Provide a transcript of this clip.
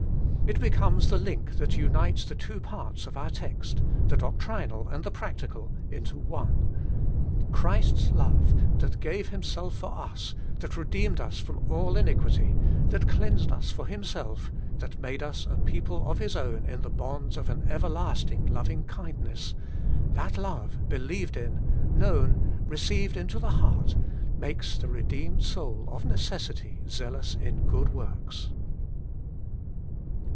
It becomes the link that unites the two parts of our text, the doctrinal and the practical, into one. Christ's love, that gave Himself for us, that redeemed us from all iniquity, that cleansed us for Himself, that made us a people of His own in the bonds of an everlasting loving kindness, that love believed in, known, received into the heart, makes the redeemed soul of necessity zealous in good works.